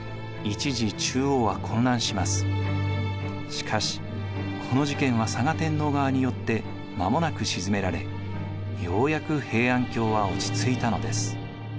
しかしこの事件は嵯峨天皇側によってまもなく鎮められようやく平安京は落ち着いたのです。